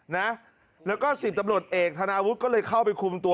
นะแล้วก็สิบตำรวจเอกธนาวุฒิก็เลยเข้าไปคุมตัว